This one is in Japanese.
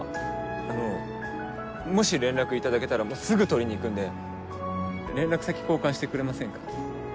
あのもし連絡いただけたらすぐ取りに行くんで連絡先交換してくれませんか？